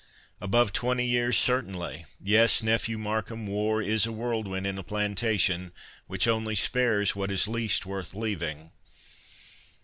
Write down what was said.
"Above twenty years, certainly. Yes, nephew Markham, war is a whirlwind in a plantation, which only spares what is least worth leaving.